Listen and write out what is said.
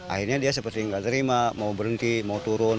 akhirnya dia seperti nggak terima mau berhenti mau turun